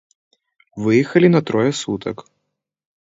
Выехалі на трое сутак.